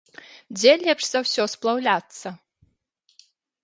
Дзе лепш за ўсё сплаўляцца?